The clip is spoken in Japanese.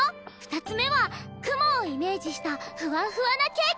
２つ目は雲をイメージしたふわっふわなケーキ。